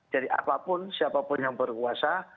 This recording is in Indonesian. jadi apapun siapapun yang berkuasa